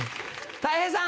たい平さん。